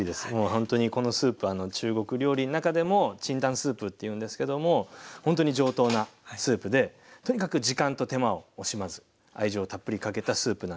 ほんとにこのスープ中国料理の中でも清湯スープって言うんですけどもほんとに上等なスープでとにかく時間と手間を惜しまず愛情をたっぷりかけたスープなんで。